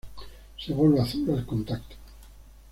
Se vuelve azul al contacto.